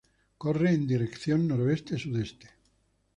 Corre en dirección noroeste-sudeste.